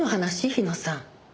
日野さん。